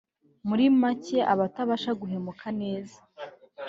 muri macye atabasha guhumeka neza